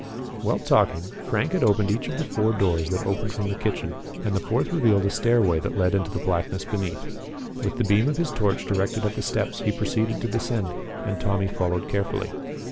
While talking, Frank had opened each of the four doors that opened from the kitchen, and the fourth revealed a stairway that led into the blackness beneath. With the beam of his torch directed at the steps, he proceeded to descend, and Tommy followed carefully.